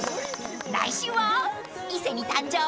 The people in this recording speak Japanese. ［来週は］